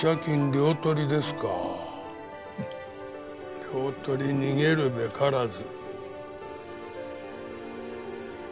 両取り逃げるべからず。